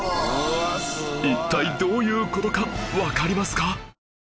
一体どういう事かわかりますか？